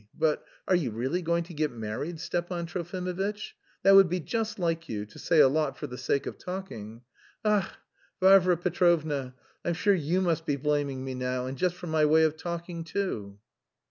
But are you really going to get married, Stepan Trofimovitch? That would be just like you, to say a lot for the sake of talking. Ach, Varvara Petrovna, I'm sure you must be blaming me now, and just for my way of talking too...."